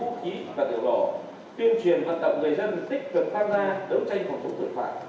quản lý vũ khí và tiểu đồ tuyên truyền vận động người dân tích cực phát ra đấu tranh phòng thủ thực phạm